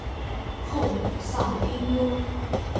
后母丧丁忧。